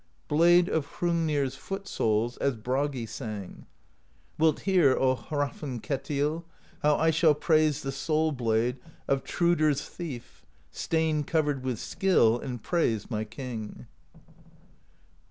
Blade of Hrungnir's Foot Soles, as Bragi sang: Wilt hear, O Hrafnketill, How I shall praise the Sole Blade Of Thrudr's thief, stain covered With skill, and praise my king.